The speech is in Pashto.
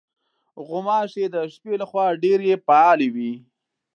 غوماشې د شپې له خوا ډېرې فعالې وي.